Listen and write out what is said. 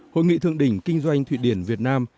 hội nghị thượng đỉnh kinh doanh thụy điển việt nam